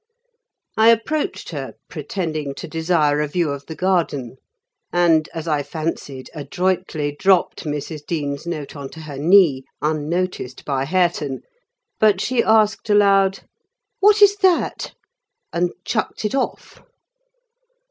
I approached her, pretending to desire a view of the garden; and, as I fancied, adroitly dropped Mrs. Dean's note on to her knee, unnoticed by Hareton—but she asked aloud, "What is that?" And chucked it off.